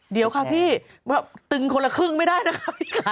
เดี๋ยวค่ะพี่ตึงคนละครึ่งไม่ได้นะคะ